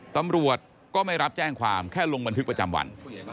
ตำรวจก็ไม่รับแจ้งความแค่ลงบันทึกประจำวัน